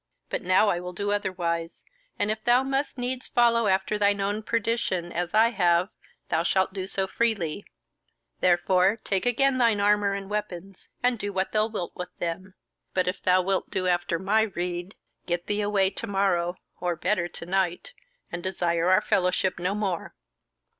But now I will do otherwise, and if thou must needs follow after thine own perdition, as I have, thou shalt do so freely; therefore take again thine armour and weapons, and do what thou wilt with them. But if thou wilt do after my rede, get thee away to morrow, or better, to night, and desire our fellowship no more."